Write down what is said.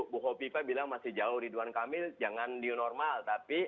bu hopi pak bilang masih jauh ridwan kamil jangan new normal